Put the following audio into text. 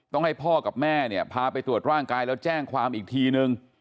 ต้องให้พ่อกับแม่เนี่ยพาไปตรวจร่างกายแล้วแจ้งความอีกทีนึง